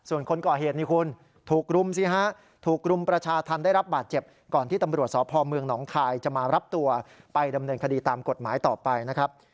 ส่วนคนก่อเหตุนี่คุณถูกรุมสิฮะถูกรุมประชาธรรมได้รับบาดเจ็บก่อนที่ตำรวจสพเมืองหนองคายจะมารับตัวไปดำเนินคดีตามกฎหมายต่อไปนะครับ